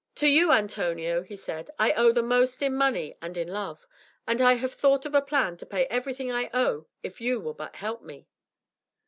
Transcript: "To you, Antonio," he said, "I owe the most in money and in love: and I have thought of a plan to pay everything I owe if you will but help, me."